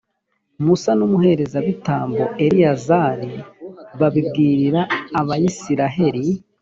musa n’umuherezabitambo eleyazari babibwirira abayisraheli.